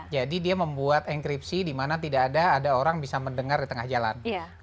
jadi dia membuat enkripsi di mana tidak ada orang bisa mendengar di tengah jalan